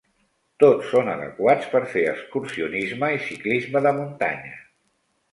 Tots són adequats per fer excursionisme i ciclisme de muntanya.